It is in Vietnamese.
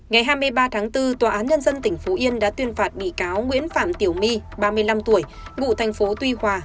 ngày hai mươi ba tháng bốn tòa án nhân dân tỉnh phú yên đã tuyên phạt bị cáo nguyễn phạm tiểu my ba mươi năm tuổi ngụ thành phố tuy hòa